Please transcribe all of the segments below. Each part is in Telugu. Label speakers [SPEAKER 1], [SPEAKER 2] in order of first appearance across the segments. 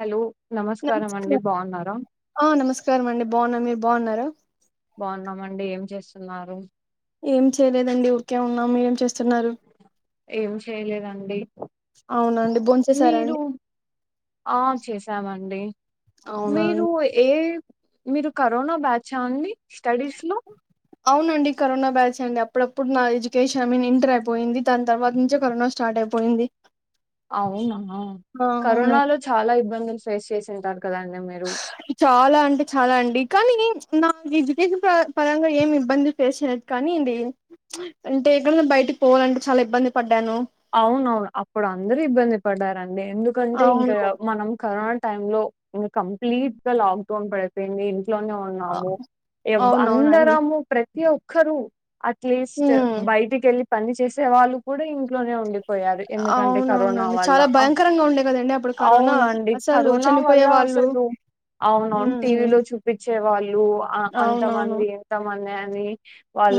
[SPEAKER 1] హలో నమస్కారం అండి బాగున్నారా
[SPEAKER 2] ఆ నమస్కారం అండి బాగున్నా మీరు బాగున్నారా
[SPEAKER 1] బాగున్నామండి ఏం చేస్తున్నారు
[SPEAKER 2] ఏం చేయలేదండి ఊకే ఉన్నాం మీరేం ఏం చేస్త
[SPEAKER 1] ఏం చేయలేదండి
[SPEAKER 2] అవునా అండి భోంచేసారా
[SPEAKER 1] మీరు
[SPEAKER 2] అండి
[SPEAKER 1] ఆ చేసామండి
[SPEAKER 2] అవునా
[SPEAKER 1] మీరు
[SPEAKER 2] అండి
[SPEAKER 1] ఏ మీరు కరోనా బ్యాచ అండి స్టడీస్ లో
[SPEAKER 2] అవునండి కరోనా బ్యాచ్ ఎ అండి అప్పుడప్పుడు నా ఎడ్యుకేషన్ ఐ మీన్ ఇంటర్ అయిపోయింది దాని తర్వాత నుంచే కరోనా స్టార్ట్ అయిపోయింది
[SPEAKER 1] అవునా
[SPEAKER 2] ఆ అవునండి
[SPEAKER 1] కరోనాలో చాలా ఇబ్బందులు ఫేస్ చేసి సంట
[SPEAKER 2] చాలా అంటే చాలా అండి కానీ నాకు ఎడ్యుకేషన్ పరంగా ఏమి ఇబ్బంది ఫేస్ లేదు కానీ ఇది అంటే ఎక్కడ బయటకి పోవాలంటే చాలా ఇబ్బంది పడ్డాను
[SPEAKER 1] అవున అవును అప్పుడు అందరు ఇబ్బంది పడ్డారండి ఎందుకంటే ఇంకా
[SPEAKER 2] అవును
[SPEAKER 1] మనం కరోనా టై లో ఇంకా కంప్లీట్ గా లాక్ డౌన్ పడిపోయింది లోనే
[SPEAKER 2] అ
[SPEAKER 1] ఉన్నాము
[SPEAKER 2] అవునవునండి
[SPEAKER 1] అందరము ప్రతి ఒక్క క్కరు అట్లీస్ట్
[SPEAKER 2] హ్మ్
[SPEAKER 1] బయటికి వెళ్లి పని చేసే వాళ్ళు కూడా ఇంకా లోనే ఉండిపోయారు ఎందుకంటే కరోనా
[SPEAKER 2] అవునవునండి
[SPEAKER 1] వల్ల
[SPEAKER 2] చాలా భయంకరంగా ఉండే కదండి అప్పుడు కరోనా
[SPEAKER 1] అవునండి
[SPEAKER 2] అసలు
[SPEAKER 1] కరోనా వల్ల
[SPEAKER 2] చనిపోయే వాళ్ళు
[SPEAKER 1] అసలు అవునవును
[SPEAKER 2] ఉమ్
[SPEAKER 1] టీవీ
[SPEAKER 2] ఉమ్
[SPEAKER 1] లో చూపించే వాళ్ళు అ
[SPEAKER 2] అవునవును
[SPEAKER 1] అంతమంది ఇంతమంది అదే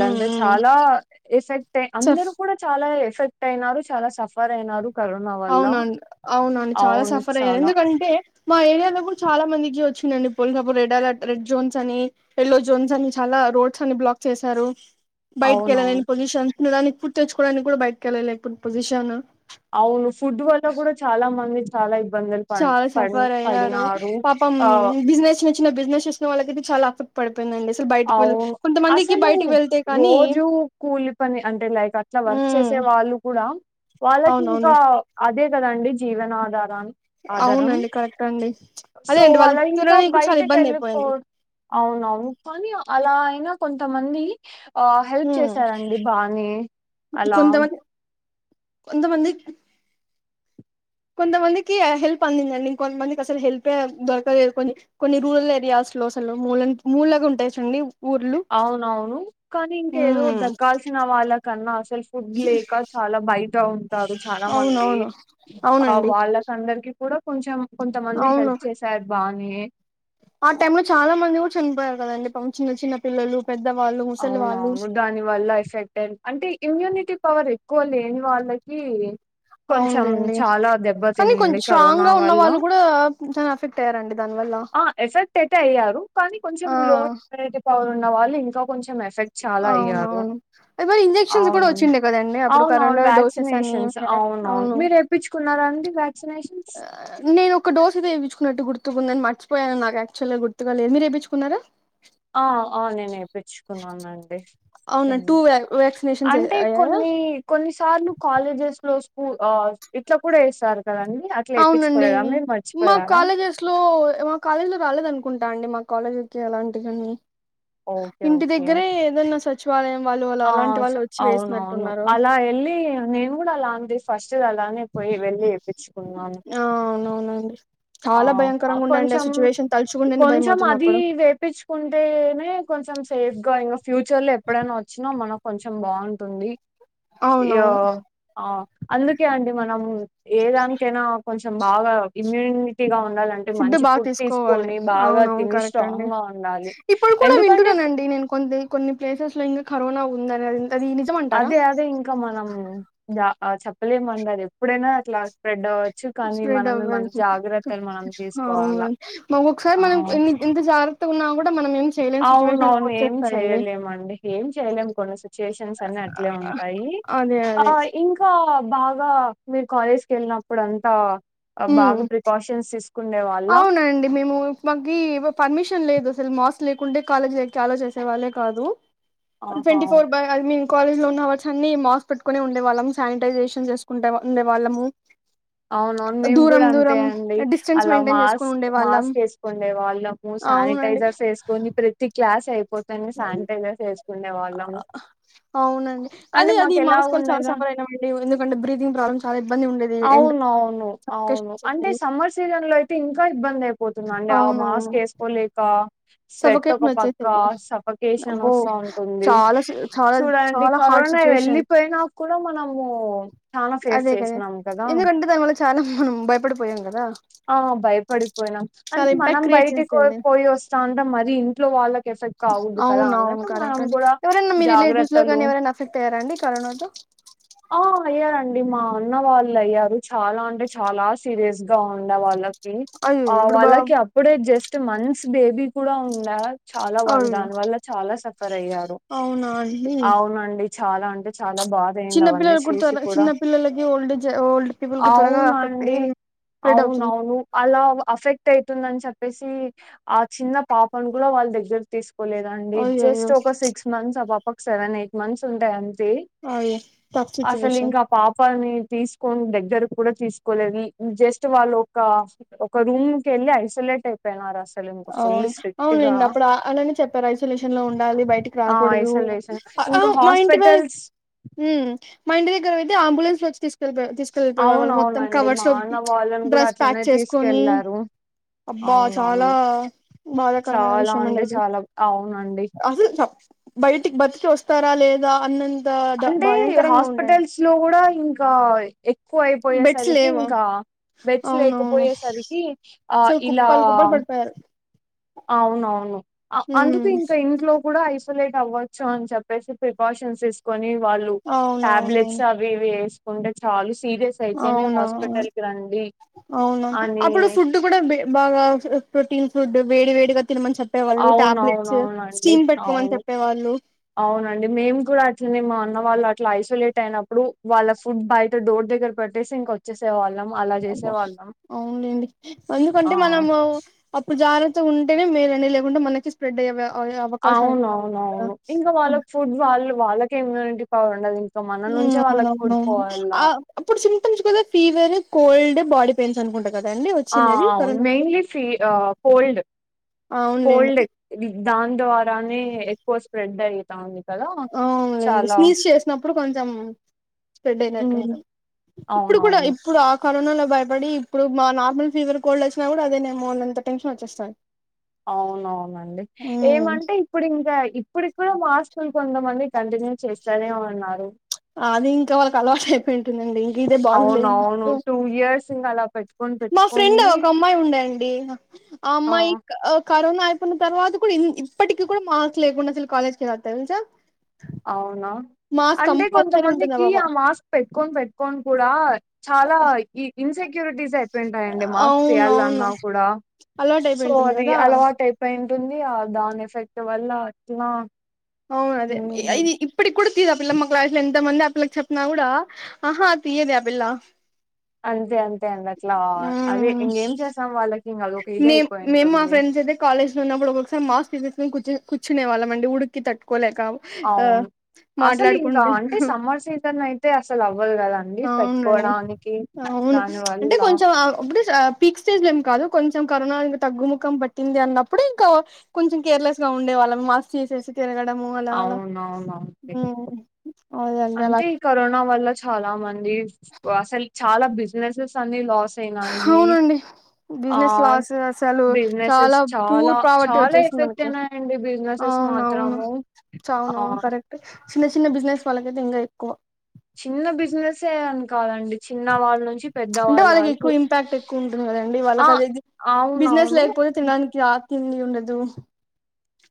[SPEAKER 2] ఉమ్ ఉమ్
[SPEAKER 1] చాలా ఎఫెక్ట్
[SPEAKER 2] సఫ్
[SPEAKER 1] అందరూ కూడా చాలా ఎఫె తైనారు చాలా సఫ
[SPEAKER 2] అవునండి అవునండి చాలా
[SPEAKER 1] అవును.
[SPEAKER 2] సఫర్ అయ్యారు
[SPEAKER 1] చాలా.
[SPEAKER 2] ఎందుకంటే మా ఏరియాలో కూడా చాలా మందికి వచ్చి ధండి పోలిసప్పుడు రెడ్ అలర్ట్ రెడ్ జోన్స్ అని యేల్లో జోన్స్ అని చాలా రోడ్స్ అని బ్లాక్ చేశారు బయటకి వెళ్లలేని
[SPEAKER 1] అవునవును.
[SPEAKER 2] పోసిషన్ ప్పు దనికి పుట్ తెచ్చుకోవడానికి కూడా బయకి వెళ్ళలే ఎ ఇప్పుడు పొజిషన్
[SPEAKER 1] అవును ఫుడ్ వల్ల కూడా చాలా మంది చాలా ఇబ్బందులు పడ్
[SPEAKER 2] చాలా
[SPEAKER 1] పడ్
[SPEAKER 2] సఫర్ అయ్యారు
[SPEAKER 1] పడినారు.
[SPEAKER 2] పాపం
[SPEAKER 1] ఆ
[SPEAKER 2] బిజినెస్ చిన్న బిజినెస్ చేసిన వాళ్ళకి ఇది చాలా అఫక్ట్ పడ్
[SPEAKER 1] అవును అసలు
[SPEAKER 2] బయటికి వెళ్తే కానీ
[SPEAKER 1] రోజు కూలి పని అంటే లైక్ అట్లా వర్క్
[SPEAKER 2] ఉమ్
[SPEAKER 1] చేసే వాళ్ళు కూడా వాళ్ళకి
[SPEAKER 2] అవునవును
[SPEAKER 1] ఇంకా అదే కదండి జీవనా ఆధారాం. ఆధారం
[SPEAKER 2] అవునండి కరెక్ట్ అండి అదే
[SPEAKER 1] సో
[SPEAKER 2] అండి
[SPEAKER 1] వాళ్ళ
[SPEAKER 2] వాళ్ళకి
[SPEAKER 1] ఇంకా
[SPEAKER 2] తినడానికి కూడా చాలా
[SPEAKER 1] బయటకి
[SPEAKER 2] ఇబ్బంది
[SPEAKER 1] వెళ్ళిపో
[SPEAKER 2] అయిపోయింది
[SPEAKER 1] అవునవును అలా అయినా కొంతమంది ఆ హెల్ప్
[SPEAKER 2] ఉమ్
[SPEAKER 1] చేసారండి బానే అలా
[SPEAKER 2] కొంతమంది కొంతమంది కొంతమందికి హెల్ప్ అందిందండి. ఇంకొంతమందికి అసలు హెల్ప్యే దొరకలేదు. కొని కొన్ని రూరల్ ఏరియాస్ లో అసలు మూలన్ మూలకుంటాయి చూడండి ఊర్లు
[SPEAKER 1] అవునవును కానీ ఇంక ఏదో
[SPEAKER 2] ఉమ్
[SPEAKER 1] దక్కాల్సిన వాళ్ళకన్నా అసలు ఫుడ్ లేక చాలా బయట ఉంటారు. చాలా మంది
[SPEAKER 2] అవునవును
[SPEAKER 1] ఆ
[SPEAKER 2] అవునండి
[SPEAKER 1] వాళ్ళకందరికి కొంచం కొంతమంది
[SPEAKER 2] అవును
[SPEAKER 1] హెల్ప్ చేశారు బా వే
[SPEAKER 2] ఆ టైమ్ లో చాలా మంది కూడా చనిపోయారు కదండి పాపం చిన్న చిన్న పిల్లలు పెద్దవాళ్ళు ముసలి వాళ్ళు
[SPEAKER 1] అవునవును దాని వల్ల ఎఫెక్టేమ్ అంటే ఇమ్యూనిటీ పవర్ ఎక్కువ లేని వాళ్ళకి కొంచెం
[SPEAKER 2] అవునులేండి
[SPEAKER 1] చాలా
[SPEAKER 2] కానీ
[SPEAKER 1] దెబ్బతినింది
[SPEAKER 2] కొంచెం స్ట్రాంగ్
[SPEAKER 1] కరోనా
[SPEAKER 2] గా ఉన్న
[SPEAKER 1] వల్ల.
[SPEAKER 2] వాళ్ళు కూడా చాలా అఫెక్ట్ అయ్యారండి. దాని వల్ల
[SPEAKER 1] ఆ ఎఫెక్ట్ ప్ తయ్యారు కానీ కొంచెం
[SPEAKER 2] ఆ
[SPEAKER 1] లోన్ ఏయిటి థౌసండ్ ఉన్నవాళ్ళు ఇంకా కొంచెం ఎస్ షెట్ చాలా అయ్యాను
[SPEAKER 2] అవునవును మరి ఇంజెక్షన్స్ కూడా
[SPEAKER 1] అవును
[SPEAKER 2] వచ్చిండే కదండి అప్పుడు
[SPEAKER 1] అవునవును
[SPEAKER 2] కరోనా డోసెస్ అని
[SPEAKER 1] వాసినేషన్స్ అవును మీరెప్పిచ్చుకున్నారా అండి. వ్యాక్సినేషన్స్?
[SPEAKER 2] నేను ఒక డోసు వేపించుకున్నట్టు గుర్ గుర్తుకుందని మర్చిపోయాను నాకు యక్చవల్గా గుర్తుగా లేదు మీరెపించుకున్నారా
[SPEAKER 1] ఆ అవును నేను వేపించుకున్నానండి
[SPEAKER 2] అవునా టూ వ్యా వ్యాక్సినేషన్స్
[SPEAKER 1] అంటే
[SPEAKER 2] అయ్యాయా
[SPEAKER 1] కొన్ని కొన్నిసార్లు కాలేజెస్ రోజ్ స్కూల్ ఆ ఇట్లా కూడా యెస్తారు.
[SPEAKER 2] అవునండి మా
[SPEAKER 1] మర్చిపోయారా
[SPEAKER 2] కాలేజెస్ లో మా కాలేజ్ లో రాలేదను కుంటా అండి మా కాలేజ్లో చెయ్యలాంట ఇవన్నీ
[SPEAKER 1] ఓకే
[SPEAKER 2] ఇంటి
[SPEAKER 1] ఓకే
[SPEAKER 2] దగ్గరే ఏదన్నా స చివలయం
[SPEAKER 1] ఆ అవునవును అలా యెళ్ళి నేను కూడా అలా అంది ఫస్ట్ చివాలయానికి పోయి వెళ్ళి వేపించుకున్నాం.
[SPEAKER 2] ఆ అవునవునండి చాలా
[SPEAKER 1] ఆ
[SPEAKER 2] భయంకరంగా ఉండండి
[SPEAKER 1] కొంచెం
[SPEAKER 2] సిచ్యువేషన్ తలుచుకుంటేనే భయం
[SPEAKER 1] కొంచెం
[SPEAKER 2] అవుతుంది
[SPEAKER 1] అది
[SPEAKER 2] అప్పుడు
[SPEAKER 1] వేపించుకుంటేనే కొంచెం సేఫ్ గా ఇంకా ఫ్యూచర్ లో ఎప్పుడైనా వచ్చినా మన కొంచెం బాగుంటుంది ఈయో
[SPEAKER 2] అవునవును
[SPEAKER 1] ఆ అందుకే అండి మనం ఏ దానికి అయినా కొంచెం బాగా ఇమ్యూని టిగా
[SPEAKER 2] ఫుడ్ బాగా తీసుకోవాలి అవున అవును
[SPEAKER 1] తిని
[SPEAKER 2] కరెక్ట్
[SPEAKER 1] స్ట్రాంగ్
[SPEAKER 2] అండి
[SPEAKER 1] గా ఉండాలి
[SPEAKER 2] ఇప్పుడు కూడా
[SPEAKER 1] ఎందుకంటే
[SPEAKER 2] వింటున్నానండి నేను కొ కొన్ని ప్లేసెస్ లో ఇంకా కరోనా ఉంది అని అది నిజమంటారా
[SPEAKER 1] అదే అదే ఇంకా మనం దా చెప్పలేమండి అది ఎప్పుడైనా అట్లా స్ప్రెడ్ అవ్వచ్చు కానీ
[SPEAKER 2] స్ప్రెడ్
[SPEAKER 1] మనమే మన
[SPEAKER 2] అవ్వచ్చు
[SPEAKER 1] జాగ్రత్తలు మనం
[SPEAKER 2] కా ఆహా
[SPEAKER 1] తీసుకోవాలా
[SPEAKER 2] అవునండి మాకు ఒకసారి
[SPEAKER 1] ఆ
[SPEAKER 2] మనం ఎన్ని ఎంత జాగ్ర తు ఉన్నా కూడా మనం ఏం చేయలేని
[SPEAKER 1] అవున
[SPEAKER 2] సిచ్యువేషన్
[SPEAKER 1] అవును ఏమి
[SPEAKER 2] వచ్చేస్తాయండి
[SPEAKER 1] చెయలేమండి ఏం చెయలేము కొన్ని సిచ్యుయేషన్స్ అన్ని అట్లే ఉంటాయి
[SPEAKER 2] అదే
[SPEAKER 1] ఆ
[SPEAKER 2] అదే
[SPEAKER 1] ఇంకా బాగా మీరు కాలేజీకి వెళ్ళినప్పుడు అంతా
[SPEAKER 2] హు అవునండి మేము మాకి పర్మిషన్ లేదు అసలు మాస్క్ లేకుంటే కాలజీకి ఆలో చేసే వాళ్ళే కాదు
[SPEAKER 1] ఆహా!
[SPEAKER 2] ట్వంటీ ఫోర్ బై ఐ మీ కాలేజ్ లో ఉన్నవర్స్ అన్ని మాస్క్ పెట్టుకునే ఉండే వాళ్ళం శానిటైజేషన్ చేసుకుంటే ఉండే వాళ్ళము
[SPEAKER 1] అవునవును మేము
[SPEAKER 2] దూరం
[SPEAKER 1] కూడా అంతే
[SPEAKER 2] దూరం
[SPEAKER 1] అండి
[SPEAKER 2] డిస్టెన్స్
[SPEAKER 1] అలా
[SPEAKER 2] మెయింటైన్ చేసుకుని ఉండే
[SPEAKER 1] మాస్క్
[SPEAKER 2] వాళ్ళం
[SPEAKER 1] మాస్క్ వేసుకోండే వాళ్ళము
[SPEAKER 2] అవునండి
[SPEAKER 1] శానిటైజర్స్ వేసుకొని ప్రతి క్లాస్ అయిపో పోతానే శానిటైజర్స్ వేసు
[SPEAKER 2] అవునండి
[SPEAKER 1] అంటే
[SPEAKER 2] అదే అది
[SPEAKER 1] మాకెలా
[SPEAKER 2] మాస్క్ వల్ల చాలా
[SPEAKER 1] ఉండేద
[SPEAKER 2] సఫర్ అయినా అండి ఎందుకంటే బ్రీతింగ్ ప్రాబ్లమ్ చాలా ఇబ్బంది ఉండేది ఎండ
[SPEAKER 1] అవున అవును
[SPEAKER 2] సఫికేషన్
[SPEAKER 1] అవును అంటే
[SPEAKER 2] వచ్చేసేది
[SPEAKER 1] సమ్మర్ సీజన్ లో అయితే ఇంకా ఇబ్బందే పోతున్నానండి ఆ
[SPEAKER 2] అవునవును
[SPEAKER 1] మాస్క్ వేసుకోలేక స్వెట్ ఒక
[SPEAKER 2] సఫికేషన్
[SPEAKER 1] పక్క
[SPEAKER 2] వచ్చేసేది
[SPEAKER 1] సఫకేషన్
[SPEAKER 2] అబ్బో
[SPEAKER 1] వస్తా ఉంటుంది
[SPEAKER 2] చాలా సి చాలా
[SPEAKER 1] చూడండి
[SPEAKER 2] చాలా హార్డ్
[SPEAKER 1] కరోనా
[SPEAKER 2] సిచ్యువేషన్
[SPEAKER 1] వెళ్లిపోయినా కూడా మనము చానా ఫేస్ చేసా కదా
[SPEAKER 2] ఎందుకంటే దాని వల్ల చాలా మనం భయపడిపోయాం కదా
[SPEAKER 1] ఆ భయపడిపోయినాం
[SPEAKER 2] చాలా
[SPEAKER 1] అంటే మనం
[SPEAKER 2] ఇంపాక్ట్ క్రియేట్
[SPEAKER 1] బయటికి
[SPEAKER 2] చేసింది
[SPEAKER 1] పోయి వస్తాంట మరి అది ఇంట్లో వాళ్ళకి ఎఫెక్ట్ కాకూడదు కదా
[SPEAKER 2] అవును అవును
[SPEAKER 1] అన్నటు మనం
[SPEAKER 2] కరెక్ట్ అండి
[SPEAKER 1] కూడా
[SPEAKER 2] ఎవరైనా మీ రిలేటివ్స్ లో కానీ
[SPEAKER 1] జాగ్రత్తలు
[SPEAKER 2] ఎవరైనా అఫెక్ట్ అయ్యారా అండి కరోనాతో
[SPEAKER 1] ఆ య్యా కండి మా న్న వాళ్ళు అయ్యారు చాలా అంటే చాలా సీరియస్ గా ఉండే వాళ్ళ కి
[SPEAKER 2] అయ్యో
[SPEAKER 1] ఆ
[SPEAKER 2] ఇప్పుడు బా
[SPEAKER 1] వాళ్ళకి అప్పుడే జస్ట్ టు మన్స్ బేబీ కూడా ఉందా చాలా వాళ్ళు
[SPEAKER 2] అయ్యో
[SPEAKER 1] దాని వల్ల చాలా సఫర్ అయ్యారు
[SPEAKER 2] అవునా అండి
[SPEAKER 1] అవునండి చాలా అంటే చా చాలా బాధ అయింది
[SPEAKER 2] చిన్న
[SPEAKER 1] అవన్నీ
[SPEAKER 2] పిల్లలకు
[SPEAKER 1] చూసి
[SPEAKER 2] త్వర
[SPEAKER 1] కూడా
[SPEAKER 2] చిన్న పిల్లలకి ఓల్డ్ జె ఓల్డ్ పిల్లలకు త్వరగా ఎఫెక్ట్
[SPEAKER 1] అవునండి.
[SPEAKER 2] అయి స్ప్రెడ్ అవుతుంది
[SPEAKER 1] ఎఫెక్ట్ అయితుందని చెప్పేసి ఆ చిన్న పాపను కూడా వాళ్ళ దగ్గరికి తీసుకు లేదండి జస్ట్
[SPEAKER 2] అయ్యయ్యో
[SPEAKER 1] ఒక సిక్స్ మంత్స్ ఆ పాపకి ఒక సెవెన్ ఎయిట్ మంత్స్ ఉంటాయంతే తే
[SPEAKER 2] అయ్యో టఫ్ సిచ్యువేషన్
[SPEAKER 1] అసలింగా ఆ పాప మ్మ్ తీసుకొని దగ్గర కూడా తీసుకోలేదు ఈ జస్ట్ వాళ్ళు ఒక ఒక రూమ్ కి వెళ్ళి ఐసోలేట్ అయిపోయినారు అసలు ఇంకా ఫుల్
[SPEAKER 2] అవును
[SPEAKER 1] స్ట్రిక్ట్ గా
[SPEAKER 2] అవునునిన్న అప్పుడు అలానే చెప్పారు ఐసోలేషన్ లో ఉండాలి బయటికి
[SPEAKER 1] ఆ
[SPEAKER 2] రాకూడదు
[SPEAKER 1] ఐసోలేషన్
[SPEAKER 2] హ ఆ
[SPEAKER 1] ఇంకా
[SPEAKER 2] మా ఇంటి
[SPEAKER 1] హాస్పిటల్స్
[SPEAKER 2] మ్మ్ మా ఇంటి దగ్గర అంబులన్స్ వచ్చ తీ ళ్పో తీసుకెళ్లిపోయేవాళ్ళము మొత్తం
[SPEAKER 1] అవునవునండి
[SPEAKER 2] కవర్స్
[SPEAKER 1] మా
[SPEAKER 2] లో
[SPEAKER 1] అన్న వాళ్ళని కూడా
[SPEAKER 2] డ్రస్ ప్యాక్
[SPEAKER 1] అట్లనే
[SPEAKER 2] చేసుకొని
[SPEAKER 1] తీసుకెళ్లారు
[SPEAKER 2] అబ్బా చాలా
[SPEAKER 1] అవునవును
[SPEAKER 2] బాధాకరమైన
[SPEAKER 1] చాలా
[SPEAKER 2] విషయం అండి
[SPEAKER 1] అంటే
[SPEAKER 2] అది
[SPEAKER 1] చాలా అవునండి
[SPEAKER 2] అసలు బయటికి బతికేస్తారా లేదా అన్నంత
[SPEAKER 1] అంటే
[SPEAKER 2] భయంకరంగా ఉండే
[SPEAKER 1] హాస్పిటల్స్ లో కూడా ఇంకా ఎ
[SPEAKER 2] బెడ్స్
[SPEAKER 1] తక్కువైపోయేసరికి
[SPEAKER 2] లేవా
[SPEAKER 1] ఇంకా బెడ్స్
[SPEAKER 2] అవునవును
[SPEAKER 1] లేకపోయేసరికి ఆ
[SPEAKER 2] అసలు
[SPEAKER 1] ఇలా
[SPEAKER 2] కుప్పలు కుప్పలు పడిపోయారు
[SPEAKER 1] అవునవును అ
[SPEAKER 2] ఉమ్
[SPEAKER 1] అందుకే ఇంకా ఇంట్లో కూడా అయి లేట్ అవ్వచ్చు అని చెప్పేసి ప్రికాషన్స్ తీసుకొని వాళ్ళు టాబ్లెట్స్
[SPEAKER 2] అవునవునవును
[SPEAKER 1] అవి ఇవి వేసు అంటే చాలుస్
[SPEAKER 2] అవునావును అవునా
[SPEAKER 1] అని
[SPEAKER 2] అప్పుడు ఫుడ్ కూడా బె బాగా ప్రోటీన్ ఫుడ్ వేడివేడిగా
[SPEAKER 1] అవునవునఅవునండి
[SPEAKER 2] స్టీమ్ పెట్టుకోమని
[SPEAKER 1] అవును
[SPEAKER 2] చెప్పేవాళ్ళు
[SPEAKER 1] అవునండి మేము కూడా అట్లనే మా వాళ్లుఅట్లా ఐసోలేట్ అయినప్పుడు వాళ్ళ ఫుడ్ బయట డోర్ దగ్గర పెట్టేసి ఇంకా వచ్చేసే వాళ్ళు
[SPEAKER 2] అబో అవునండి
[SPEAKER 1] ఆ!
[SPEAKER 2] ఎందుకంటే మనము అప్పుడు జాగ్రత్తగా ఉం మేరం లేకుండా మనకి స్ప్రెడ్ అయ్యే అవ- అయ్యే అవకాశం ఎక్కువ ఉంటుంది కదా
[SPEAKER 1] అవునవునవును ఇంకా వాళ్ళకి ఫుడ్ వాళ్లు వాళ్లకే ఇమ్యూనిటీ పవర్ ఉండదు ఇంకా మన నుంచే వాళ్ళకి ఫుడ్
[SPEAKER 2] అవునవునవును
[SPEAKER 1] పోవల్ల.
[SPEAKER 2] ఆ అప్పుడు సింటమ్స్ కూడా ఫీవర్ ఓల్డ్ బాడీపెయిన్స్ అనుకుంటా కదండి
[SPEAKER 1] ఆ
[SPEAKER 2] వచ్చినది
[SPEAKER 1] అవును
[SPEAKER 2] కరోనాకి
[SPEAKER 1] మెయిన్లీ ఫీ కోల్డ్
[SPEAKER 2] అవునులేండి
[SPEAKER 1] కోల్డ్ దాని ద్వారానే ఎక్కువ స్ప్రెడ్ అయితా ఉంది
[SPEAKER 2] అవులేండి స్నీజ్ చేసినప్పుడు కొంచెం స్ప్రెడ్ అయినట్టు
[SPEAKER 1] హ్మ్.
[SPEAKER 2] ఉంటుంది ఇప్పుడు కూడా
[SPEAKER 1] అవునవును.
[SPEAKER 2] ఇప్పుడు కరోనాలో భయపడి ఇప్పుడు మా నార్మల్ ఫీవర్ కోల్డ్ వచ్చినా కూడా అదే నేమ ఎంత టెన్షన్ వచ్చేస్తాను
[SPEAKER 1] అవునవునండి ఏమంటే ఇప్పుడు ఇంకా ఇప్పుడు మాస్కులు కొంతమంది కంటిన్యూ చేస్తారే అన్నారు
[SPEAKER 2] అది ఇంకా వాళ్ళకి అలవాటు అ ఉంటుందండి ఇంక ఇదే బాగులేదు
[SPEAKER 1] అవునవును.
[SPEAKER 2] నాకు
[SPEAKER 1] ఇయర్స్ ఇంక అలా పెట్టుకొని
[SPEAKER 2] మా ఫ్రెండ్
[SPEAKER 1] పెట్టుకొని
[SPEAKER 2] ఒక అమ్మాయి ఉండండి ఆ అమ్మాయి కరోనా అయిపోయిన తర్వాత కూడా ఇప్పటికీ కూడా మాస్క్ లేకుండా అసలు కాలేజ్కి రాదు తెలుసా
[SPEAKER 1] అవును
[SPEAKER 2] మార్క్స్
[SPEAKER 1] అంటే కొంత
[SPEAKER 2] కంపల్సరీ ఉంటుందా
[SPEAKER 1] మందికి
[SPEAKER 2] బాబా
[SPEAKER 1] ఆ మాస్క్ పెట్ పెట్టుని కూడా చ డిజర్ట్ డి మాస్క్
[SPEAKER 2] అవును అవును
[SPEAKER 1] తీయాలన్నా కూడా
[SPEAKER 2] అలవాటు
[SPEAKER 1] సో
[SPEAKER 2] అయిపోయింటుంది
[SPEAKER 1] అది
[SPEAKER 2] కదా
[SPEAKER 1] అలవాటు అయిపోయింది ఉంటుంది ఆ దాని ఎఫెక్ట్ వల్ల అట్లా
[SPEAKER 2] అవును
[SPEAKER 1] హ్మ్.
[SPEAKER 2] అదేది ఇప్పుటి కూడా [unintelligible] ముందు అ పిల్లకి చెప్పిన కూడా ఆహా తియ్యదు ఆ పిల్ల
[SPEAKER 1] అంతే అంతే అండి అట్లా అదే ఇంకేం చేసాం వాళ్ళకి ఇంగ అదొక ఇదే
[SPEAKER 2] మే మేము మా
[SPEAKER 1] అయిపోయింటుంది.
[SPEAKER 2] ఫ్రెండ్స్ అయితే కాలేజ్ లో ఉన్నప్పుడు ఒక్కొక్కసారి మాస్ ఫీసెస్ కూర్చ కూర్చునే వాళ్ళ అండి ఉక్కి తట్టుకోలే
[SPEAKER 1] అవును అసలు ఇంకా అంటే సమ్మర్ సీజన్ అయితే అసలు అవ్వదు కదండి
[SPEAKER 2] అవునండి
[SPEAKER 1] పెట్టుకోవడానికి దానివల్ల
[SPEAKER 2] పిక్ స్టేజలు ఏం కాదు కొంచెం కరోనా తగ్గుముఖం పట్టింది అన్నప్పుడు ఇంకా కొంచెం కేర్లెస్గా ఉండేవాళ్ళం మాస్క్ చేసే అ మూలాలా
[SPEAKER 1] అవునవునండి.
[SPEAKER 2] ఉ
[SPEAKER 1] అంటే ఈ కరోనా వల్ల చాలా మంది [unintelligible] చాలా బిజినెసెస్ అన్ని లాస్ అయినాయి.
[SPEAKER 2] అవునండి
[SPEAKER 1] ఆ
[SPEAKER 2] బిజినెస్ లాస్ అసలు
[SPEAKER 1] బిజినెసెస్
[SPEAKER 2] చాలా పూర్
[SPEAKER 1] చాలా
[SPEAKER 2] ప్రావర్టీ
[SPEAKER 1] చాలా
[SPEAKER 2] వచ్చేసింది
[SPEAKER 1] ఎఫెక్ట్
[SPEAKER 2] మనకి
[SPEAKER 1] అయినాయండి బిజినెసెస్
[SPEAKER 2] అవునవును
[SPEAKER 1] మాత్రము. ఆ
[SPEAKER 2] చవునవును కరెక్ట్ చిన్న చిన్న బిజినెస్ పలకితే ఇంకా ఎక్కువ
[SPEAKER 1] చిన్న బిజినెస్ అని కావాలండి
[SPEAKER 2] అంటే వాళ్ళకి ఎక్కువ ఇంపాక్ట్ ఎక్కువ ఉంటుంది కదండి
[SPEAKER 1] ఆ
[SPEAKER 2] వాళ్ళకి అది బిజినెస్
[SPEAKER 1] అవునవును
[SPEAKER 2] లేకపోతే తినడానికి తిన్నీ ఉండదు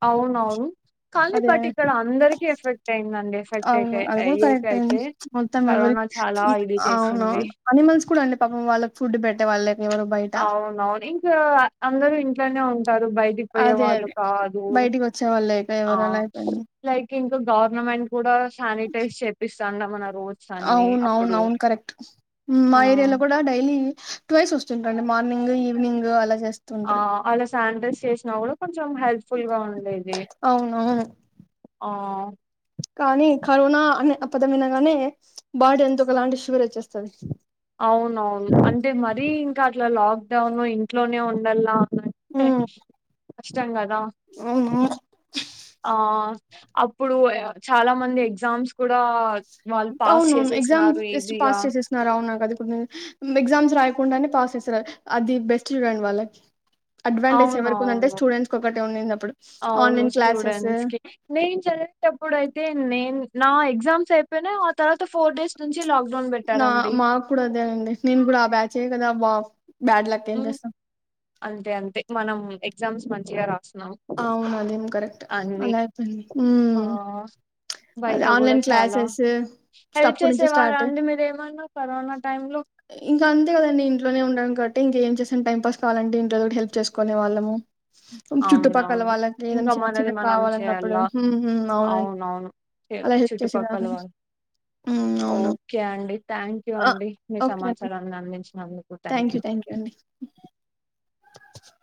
[SPEAKER 1] అవున అవును కానీ
[SPEAKER 2] అదే
[SPEAKER 1] బట్ ఇక్కడ అందరికి ఎఫెక్ట్ అయిందండి ఎఫెక్ట్
[SPEAKER 2] అవును
[SPEAKER 1] అయి
[SPEAKER 2] అది కూడా కరెక్టే
[SPEAKER 1] అయ్యేకయితే
[SPEAKER 2] మొత్తం ఎవరి
[SPEAKER 1] కరోనా చాలా ఇది
[SPEAKER 2] అవును
[SPEAKER 1] చేసింది
[SPEAKER 2] అనిమల్స్ కూడా అండి పాపం వాళ్ళ ఫుడ్ పెట్టే వాళ్ళ
[SPEAKER 1] అవునవును ఇంకా అందరూ ఇంట్లోనే ఉంట టారు బయటిపోయే
[SPEAKER 2] అదే
[SPEAKER 1] వాళ్ళు
[SPEAKER 2] అదే
[SPEAKER 1] కాదు
[SPEAKER 2] బయటికి వచ్చే వాళ్ళు లేక
[SPEAKER 1] ఆ
[SPEAKER 2] ఎవరు అలా అయిపోయింది
[SPEAKER 1] లైక్ ఇంకా గవర్నమెంట్ కూడా శానిటైజ్ చేపిస్తాండ మన రోడ్ అన్ని
[SPEAKER 2] అవును అవును
[SPEAKER 1] అప్పుడు
[SPEAKER 2] అవును కరెక్ట్ మా అండి మార్నింగ్ ఈవినింగ్ అలా చేస్త
[SPEAKER 1] ఆ అలా శానిటైజ్ చేషి నవుడు కొంచెం హెల్ప్ ఫుల్ గా ఉండేది
[SPEAKER 2] అవునవును
[SPEAKER 1] ఆ
[SPEAKER 2] కానీ కరోనా అనే ఆ పదం వినగానే బాడీ ఏందో ఒకలాంటి శివర్ వచ్చేస్తాది
[SPEAKER 1] అవునవును అంటే మరీ ఇంకా ఇట్లా లాక్ డౌన్ ఇంట్లోనే ఉండల్లా
[SPEAKER 2] ఉమ్
[SPEAKER 1] [inaudible] అష్టంగా దా
[SPEAKER 2] అవును
[SPEAKER 1] ఆ ఆ అప్పుడు ఆ చాలా మంది ఎగ్జామ్స్ కూడా వాళ్ళు పాస్
[SPEAKER 2] అవును ఎగ్జామ్
[SPEAKER 1] చేసేసినారు
[SPEAKER 2] జస్ట్
[SPEAKER 1] ఈజీగా
[SPEAKER 2] పాస్ చేసేస్తున్నారు అవు నాకు అది కొ ఎగ్జామ్స్ రా కాకుండానే పాస్ చేసారు అది బెస్ట్ చూడండి వాళ్ళకి అడ్వాంటేజ్
[SPEAKER 1] అవున
[SPEAKER 2] ఎవరికి ఉందంటే
[SPEAKER 1] అవును
[SPEAKER 2] స్టూడెంట్స్ కి ఒకటే ఉండింది అప్పుడు
[SPEAKER 1] అవును
[SPEAKER 2] ఆన్లైన్ క్లాసెస్
[SPEAKER 1] స్టూడెంట్స్ కి నేను చదివేటప్పుడు అయితే నేను నా ఎగ్జామ్స్ అయిపోయినా ఆ తర్వాత ఫోర్ డేస్ నుంచి లాక్
[SPEAKER 2] నా మాకు కూడా అదేనండి నేను కూడా ఆ బ్యాచే కదా వాహ్
[SPEAKER 1] ఊ అంతే అంతే మనం ఎగ్జామ్స్ మంచిగా రా
[SPEAKER 2] అ అవునదేం కరెక్ట్ అలా అయిపోయింది ఊ
[SPEAKER 1] ఆ బయట
[SPEAKER 2] అదే
[SPEAKER 1] కూడా
[SPEAKER 2] ఆన్లైన్
[SPEAKER 1] చాలా
[SPEAKER 2] క్లాసెస్ జస్ట్
[SPEAKER 1] హెల్ప్
[SPEAKER 2] అప్పుడు నుంచే
[SPEAKER 1] చేసేవారా
[SPEAKER 2] స్టార్ట్
[SPEAKER 1] అండి మీరేమన్నా కరోనా టైమ్ లో
[SPEAKER 2] ఇంకా అంతే కదండి ఇంట్లోనే ఉండడం ఇకేం చేసాను టైం పాస్ కావాలంటే ఇంట్లో ఏదో ఒకటి హెల్ప్ చేసుకునే వాళ్ళము చుట్టూ పక్క క్కల
[SPEAKER 1] అవునవును.
[SPEAKER 2] వాళ్ళకి ఏదనా
[SPEAKER 1] ఇంకా
[SPEAKER 2] చిన్న
[SPEAKER 1] మనది
[SPEAKER 2] చిన్న
[SPEAKER 1] మనం
[SPEAKER 2] కావాలన్నప్పుడుఊ
[SPEAKER 1] చేయాలా
[SPEAKER 2] ఊ అవునండి
[SPEAKER 1] అవునవును చే
[SPEAKER 2] అలా హెల్ప్
[SPEAKER 1] చుట్టుపక్కల
[SPEAKER 2] చేసేదాన్ని
[SPEAKER 1] వాళ్ళు
[SPEAKER 2] అవును
[SPEAKER 1] ఓకే అండి థ్యాంక్ యూ
[SPEAKER 2] ఆ!
[SPEAKER 1] అండి మీ
[SPEAKER 2] ఓకే అండి
[SPEAKER 1] సమాచారాన్ని అందించినందు
[SPEAKER 2] థ్యాంక్ యూ థ్యాంక్ యూ అండి